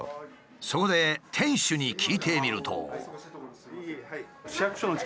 そこで店主に聞いてみると。